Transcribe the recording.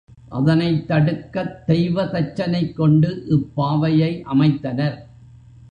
அதனைத் தடுக்கத் தெய்வதச்சனைக் கொண்டு இப்பாவையை அமைத்தனர்.